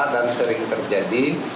dan sering terjadi